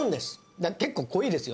だから結構濃いですよ